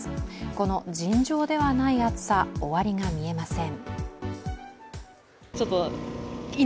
この尋常ではない暑さ、終わりが見えません。